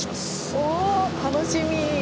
おお楽しみ。